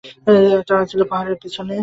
তারা ছিল পাহাড়ের পেছনে।